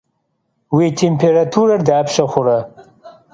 Vui têmpêraturer dapşe xhure?